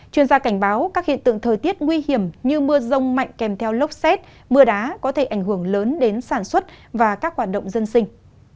chuyên gia cảnh báo các hiện tượng thời tiết nguy hiểm như mưa rông mạnh kèm theo lốc xét mưa đá có thể ảnh hưởng lớn đến sản xuất và các hoạt động dân sinh